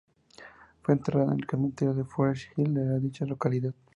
Fue enterrada en el Cementerio Forest Hill de dicha localidad.